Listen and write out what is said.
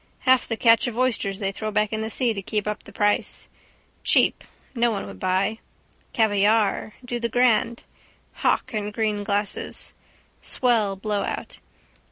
Half the catch of oysters they throw back in the sea to keep up the price. Cheap no one would buy. Caviare. Do the grand. Hock in green glasses. Swell blowout.